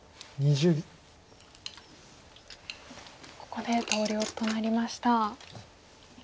ここで投了となりました。